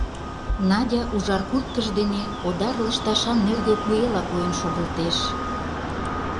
Надя ужар курткыж дене одар лышташан нӧргӧ куэла койын шогылтеш.